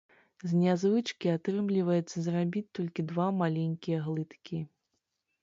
З нязвычкі атрымліваецца зрабіць толькі два маленькія глыткі.